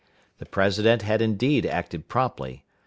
The President had indeed acted promptly.